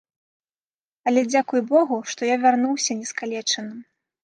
Але дзякуй богу, што я вярнуўся не скалечаным.